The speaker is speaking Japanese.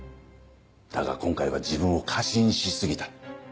だが今回は自分を過信し過ぎた。